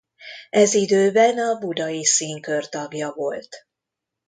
Ez időben a Budai Színkör tagja volt.